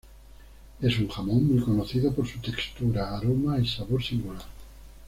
Es un jamón muy conocido por su textura, aroma y sabor singular.